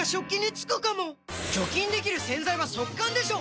除菌できる洗剤は速乾でしょ！